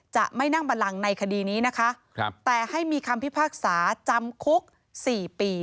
จะไม่นั่งบันลังในคดีนี้นะคะครับแต่ให้มีคำพิพากษาจำคุกสี่ปี